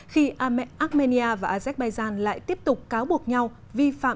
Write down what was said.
khi armenia và azerbaijan lại tiếp tục cáo buộc nhau vi phạm lệnh ngừng bắn